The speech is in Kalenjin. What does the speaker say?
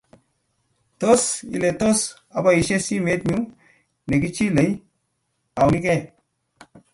Tos iliin ile tos aboishee simet nyu nekichilei aunikei?